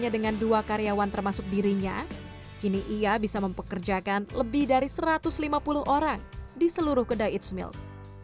dua karyawan termasuk dirinya kini ia bisa mempekerjakan lebih dari satu ratus lima puluh orang di seluruh kedai eatsmilk